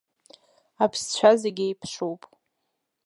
Аԥсцәа зегь еиԥшуп.